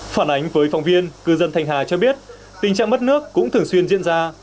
phản ánh với phóng viên cư dân thanh hà cho biết tình trạng mất nước cũng thường xuyên diễn ra